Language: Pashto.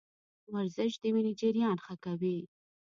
ورزش د وینې جریان ښه کوي.